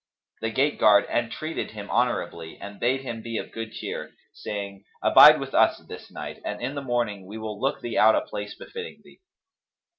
The gate guard entreated him honourably and bade him be of good cheer, saying, "Abide with us this night, and in the morning we will look thee out a place befitting thee."